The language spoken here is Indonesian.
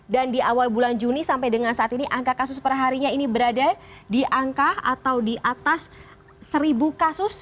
dan di awal bulan juni sampai dengan saat ini angka kasus perharinya ini berada di angka atau di atas seribu kasus